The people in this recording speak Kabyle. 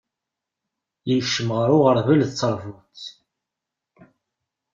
Ikeččem gar uɣeṛbal d teṛbuḍt.